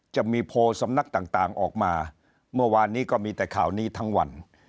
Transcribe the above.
จะมีโพลสำนักต่างออกมาเมื่อวานนี้ก็มีแต่ข่าวนี้ทั้งวัน